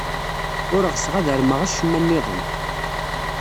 Ur ɣseɣ ad armeɣ acemma niḍen.